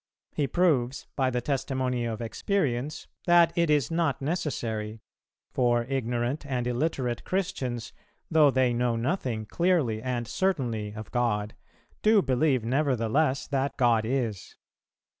He proves, by the testimony of experience, that it is not necessary; for ignorant and illiterate Christians, though they know nothing clearly and certainly of God, do believe nevertheless that God is.